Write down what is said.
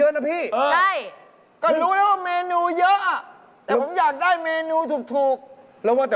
นี่ตะยาไก่ย่าง